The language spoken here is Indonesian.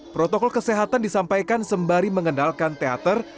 protokol kesehatan disampaikan sembari mengendalkan teater